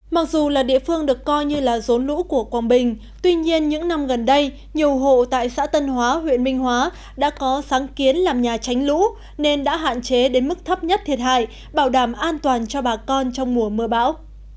mặc dù là địa phương được coi như là rốn lũ của quảng bình tuy nhiên những năm gần đây nhiều hộ tại xã tân hóa huyện minh hóa đã có sáng kiến làm nhà tránh lũ nên đã hạn chế đến mức thấp nhất thiệt hại bảo đảm an toàn cho bà con trong mùa mưa bão